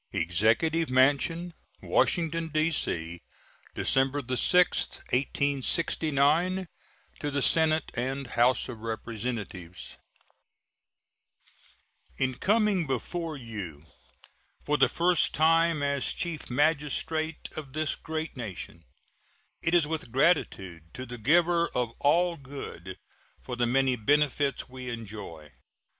EXECUTIVE MANSION, Washington, D.C., December 6, 1869. To the Senate and House of Representatives: In coming before you for the first time as Chief Magistrate of this great nation, it is with gratitude to the Giver of All Good for the many benefits we enjoy.